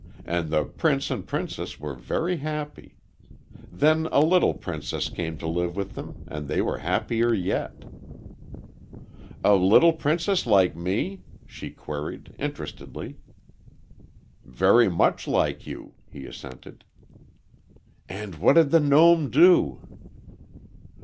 "And the prince and princess were very happy. Then a little princess came to live with them, and they were happier yet." "A little princess like me?" she queried, interestedly. "Very much like you," he assented. "And what did the gnome do?"